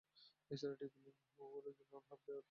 এছাড়াও টিপি-লিঙ্ক গুগলের জন্য অন-হাব রাউটার তৈরি করেছে।